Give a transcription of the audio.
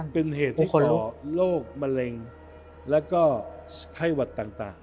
เป็นเหตุที่คนโรคมะเร็งแล้วก็ไข้หวัดต่าง